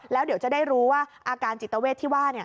แล้วเดี๋ยวจะได้รู้ว่าอาการจิตเวทที่ว่า